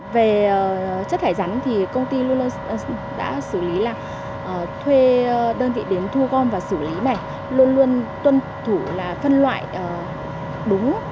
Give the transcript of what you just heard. về chất thải rắn thì công ty luôn luôn đã xử lý là thuê đơn vị đến thu gom và xử lý này luôn luôn tuân thủ là phân loại đúng